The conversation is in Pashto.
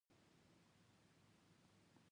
دې خبرې سره